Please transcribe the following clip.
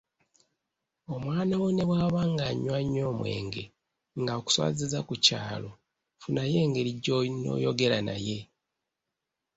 Omwana wo ne bw'aba ng’anywa nnyo omwenge, ng’akuswazizza ku kyalo, funawo engeri gy’onooyogera naye.